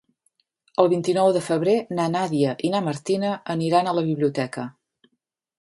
El vint-i-nou de febrer na Nàdia i na Martina aniran a la biblioteca.